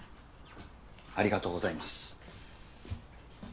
ありがとうございます。